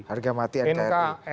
harga mati nkri